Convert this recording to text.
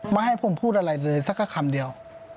ไม่ให้ผมพูดอะไรเลยสักคำเดียว